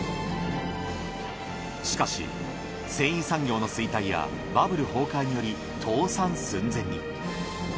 しかし繊維産業の衰退やバブル崩壊により倒産寸前に。